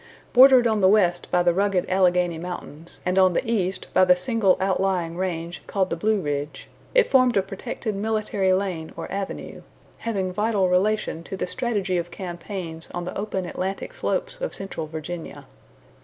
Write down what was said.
Bordered on the west by the rugged Alleghany Mountains, and on the east by the single outlying range called the Blue Ridge, it formed a protected military lane or avenue, having vital relation to the strategy of campaigns on the open Atlantic slopes of central Virginia.